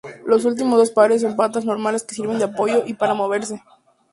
Los dos últimos pares son patas normales que sirven de apoyo y para moverse.